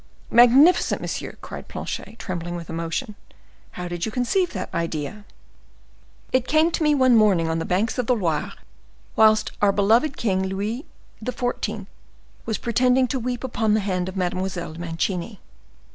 "Magnificent, monsieur!" cried Planchet, trembling with emotion. "How did you conceive that idea?" "It came to me one morning on the banks of the Loire, whilst our beloved king, Louis XIV., was pretending to weep upon the hand of Mademoiselle de Mancini."